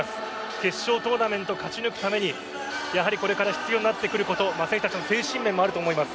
決勝トーナメントを勝ち抜くためにこれから必要になってくること選手たちの精神面もあると思います。